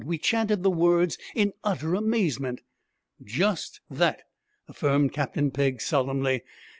We chanted the words in utter amazement. 'Just that,' affirmed Captain Pegg solemnly.